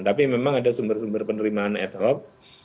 tapi memang ada sumber sumber penerimaan ad hoc